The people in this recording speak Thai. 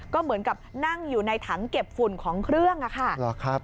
ก็เหมือนกับนั่งอยู่ในถังเก็บฝุ่นของเครื่องอะค่ะ